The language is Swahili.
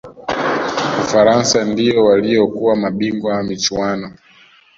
ufaransa ndiyo waliyokuwa mabingwa wa michuano